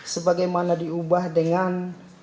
sebagaimana diubah dengan